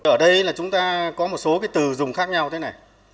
ở đây là chúng ta có một số cái từ dùng khác nhau thế này